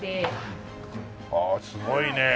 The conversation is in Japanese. ああすごいね！